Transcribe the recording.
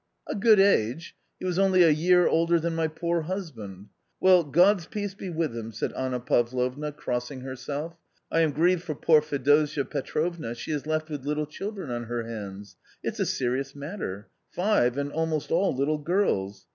"A good age ? He was only a year older than my poor husband. Well, God's peace be with him !" said Anna Pavlovna, crossing herself. "I am grieved for poor Fedosia Petrovna, she is left with little children on her hands, it's a serious matter — five, and almost all little girls.